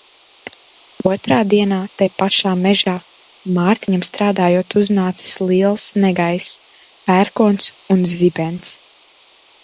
Otrā dienā tai pašā mežā, Mārtiņam strādājot uznācis liels negaiss – pērkons un zibens.